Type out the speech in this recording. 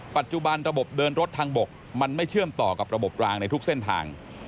ปัจจุบันระบบเดินรถทางบกมันไม่เชื่อมต่อกับระบบรางในทุกเส้นทาง